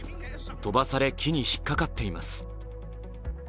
飛ばされ木に引っかかっています。